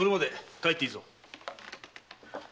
帰っていいぞ。